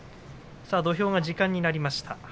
土俵は時間になりました。